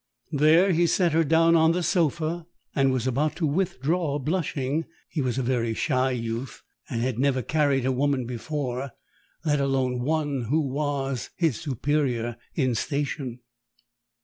There he set her down on the sofa and was about to withdraw, blushing. He was a very shy youth and had never carried a woman before, let alone one who was his superior in station.